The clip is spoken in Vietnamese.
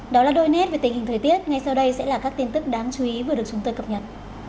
đó là đôi nét về tình hình thời tiết ngay sau đây sẽ là các tin tức đáng chú ý vừa được chúng tôi cập nhật